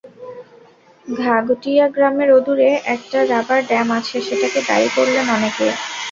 ঘাগটিয়া গ্রামের অদূরে একটা রাবার ড্যাম আছে, সেটাকে দায়ী করলেন অনেকে।